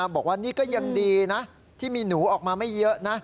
บอกว่านี่ก็ยังดีนะที่มีหนูออกมาไม่เยอะนะ